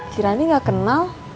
kirani gak kenal